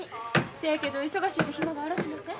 せやけど忙しいて暇があらしません。